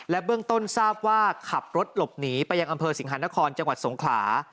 เบื้องต้นทราบว่าขับรถหลบหนีไปยังอำเภอสิงหานครจังหวัดสงขลา